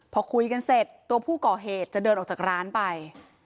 พอคุยกันเสร็จตัวผู้ก่อเหตุจะเดินออกจากร้านไป